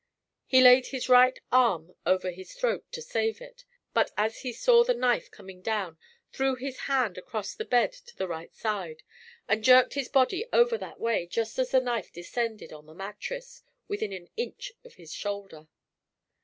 He laid his right arm over his throat to save it; but, as he saw the knife coming down, threw his hand across the bed to the right side, and jerked his body over that way just as the knife descended on the mattress within an inch of his shoulder.